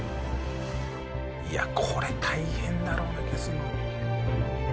いやこれ大変だろうね消すの。